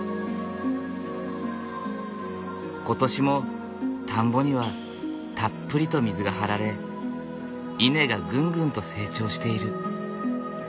今年も田んぼにはたっぷりと水が張られ稲がぐんぐんと成長している。